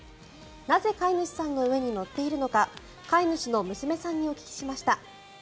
なぜ飼い主さんの上に乗っているのか飼い主の娘さんにお聞きしました。